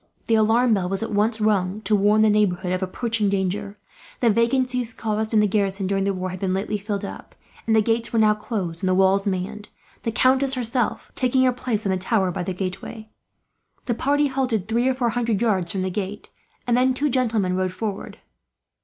The alarm bell was at once rung, to warn the neighbourhood of approaching danger. The vacancies, caused in the garrison during the war, had been lately filled up; and the gates were now closed, and the walls manned; the countess herself, accompanied by her son and Philip, taking her place on the tower by the gateway. The party halted, three or four hundred yards from the gate, and then two gentlemen rode forward.